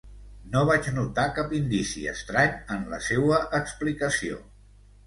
No vaig notar cap indici estrany en la seua explicació...